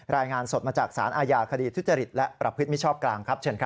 รายงานสดมาจากสารอาญาคดีทุจริตและประพฤติไม่ชอบกลาง